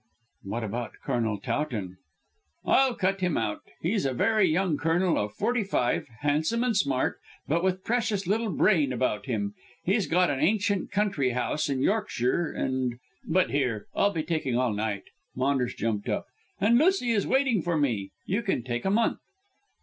"What about Colonel Towton?" "I'll cut him out. He's a very young colonel of forty five, handsome and smart, but with precious little brain about him. He's got an ancient country house in Yorkshire, and but here, I'll be talking all the night." Maunders jumped up. "And Lucy is waiting for me. You can take a month."